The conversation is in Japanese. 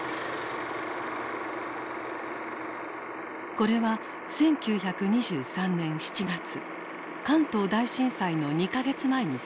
これは１９２３年７月関東大震災の２か月前に撮影された映像。